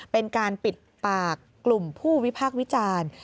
เป็นการปิดปากกลุ่มผู้วิพากษ์วิจารณ์